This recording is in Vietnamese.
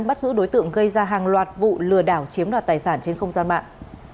bắt giữ đối tượng gây ra hàng loạt vụ lừa đảo chiếm đoạt tài sản trên không gian mạng